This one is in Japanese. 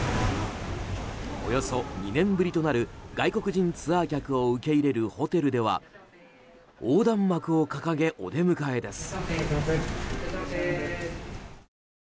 およそ２年ぶりとなる外国人ツアー客を受け入れるホテルでは横断幕を掲げお出迎えです。